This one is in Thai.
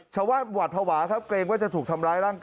หวาดภาวะครับเกรงว่าจะถูกทำร้ายร่างกาย